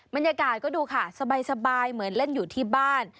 บรรยากาศก็ดูค่ะสบายเหมือนเล่นอยู่ที่บ้าน